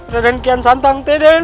dengan kian santang